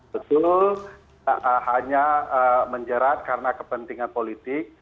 betul hanya menjerat karena kepentingan politik